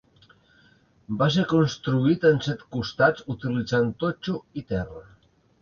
Va ser construït amb set costats utilitzant totxo i terra.